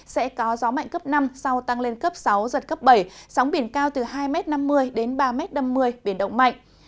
sẽ có gió mạnh cấp năm sau tăng lên cấp sáu giật cấp bảy sóng biển cao từ hai năm mươi m đến ba năm mươi m biển động mạnh